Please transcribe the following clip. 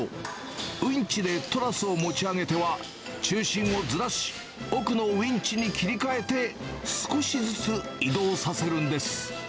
ウィンチでトラスを持ち上げては、中心をずらし、奥のウィンチに切り替えて、少しずつ移動させるのです。